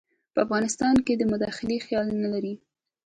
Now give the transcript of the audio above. په افغانستان کې د مداخلې خیال نه لري.